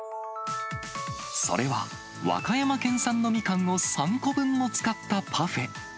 それは和歌山県産のみかんを３個分もつかったパフェ。